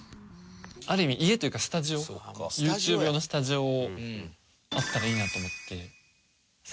ある意味家というかスタジオＹｏｕＴｕｂｅ用のスタジオあったらいいなと思って３億円の。